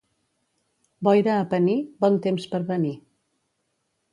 Boira a Pení, bon temps per venir.